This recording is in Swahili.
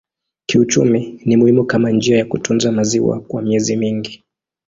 Kiuchumi ni muhimu kama njia ya kutunza maziwa kwa miezi mingi.